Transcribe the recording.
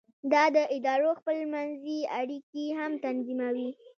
دا د ادارو خپل منځي اړیکې هم تنظیموي.